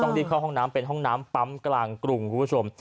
ต้องรีบเข้าห้องน้ำเป็นห้องน้ำปั๊มกลางกลุ่ม